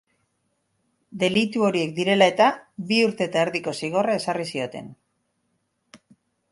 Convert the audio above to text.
Delitu horiek direla eta, bi urte eta erdiko zigorra ezarri zioten.